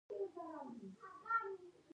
په افغانستان کې سنگ مرمر ډېر اهمیت لري.